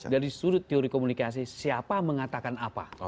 dari sudut teori komunikasi siapa mengatakan apa